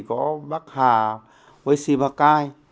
có bắc hà sĩ bắc cai